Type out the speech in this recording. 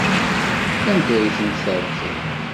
Anda ay tent-terkiḍ?